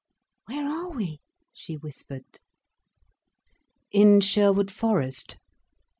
"Where are we?" she whispered. "In Sherwood Forest."